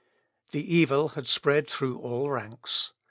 The evil had spread through all ranks.